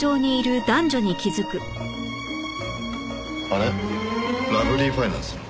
あれラブリーファイナンスの。